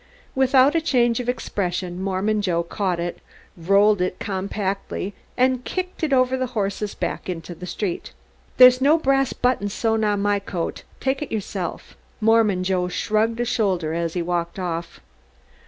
Without a change of expression, Mormon Joe caught it, rolled it compactly and kicked it over the horse's back into the street. "There's no brass buttons sewed on my coat take it yourself!" Mormon Joe shrugged a shoulder as he walked off.